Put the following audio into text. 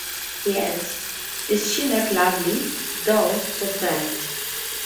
Yes; is she not lovely, though so sad!